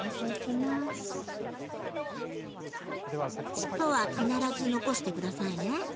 尻尾は必ず残して下さいね。